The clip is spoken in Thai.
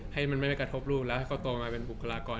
ให้มันไม่กระทบลูกแล้วให้เขาโตมาเป็นบุคลากร